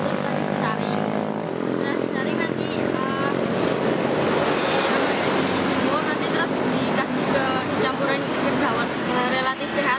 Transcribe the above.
di jumlah nanti terus dikasih ke campuran yang dikenal dawet relatif sehat ya